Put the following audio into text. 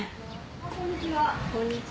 こんにちは。